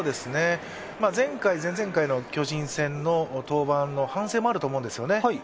前回、前々回の巨人戦の登板の反省もあると思うんですよね。